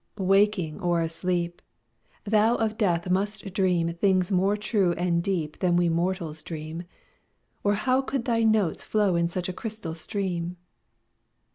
Waking or asleep, Thou of death must deem Things more true and deep Than we mortals dream, Or how could thy notes flow in such a crystal stream?